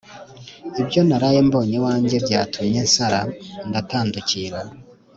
ibyo naraye mbonye iwanjye byatumye nsara ndatandukira